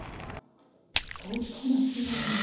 相当なスピード感が。